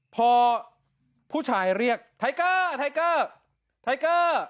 พอผู้ชายเรียกไทเกอร์